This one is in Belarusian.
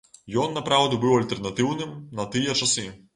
Ён напраўду быў альтэрнатыўным на тыя часы.